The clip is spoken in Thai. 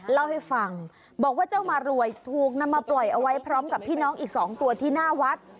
เล่าให้ฟังบอกว่าเจ้ามารวยถูกนำมาปล่อยเอาไว้พร้อมกับพี่น้องอีก๒ตัวที่หน้าวัด